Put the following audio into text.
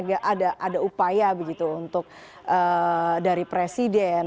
ada upaya dari presiden